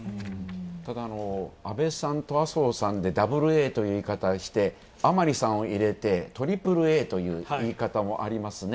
ただ、安倍さんと麻生さんでダブルＡという言い方して、甘利さんを入れてトリプルＡという言い方もありますね。